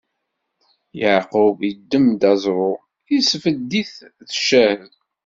Yeɛqub iddem-d aẓru, isbedd-it d ccahed.